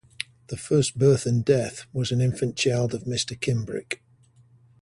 The first birth and death, was an infant child of Mr. Kimbrick.